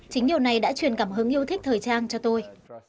chính điều này đã truyền cảm hứng yêu thích thời trang cho tôi